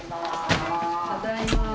ただいま！